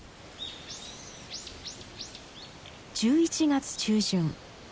１１月中旬。